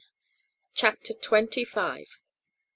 CHAPTER TWENTY FIVE.